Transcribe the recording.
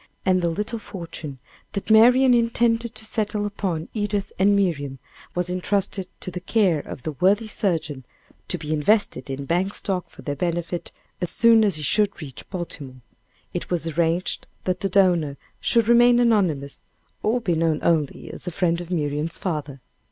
And the little fortune that Marian intended to settle upon Edith and Miriam, was intrusted to the care of the worthy surgeon, to be invested in bank stock for their benefit, as soon as he should reach Baltimore. It was arranged that the donor should remain anonymous, or be known only as a friend of Miriam's father.